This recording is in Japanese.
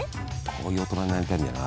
こういう大人になりたいんだよな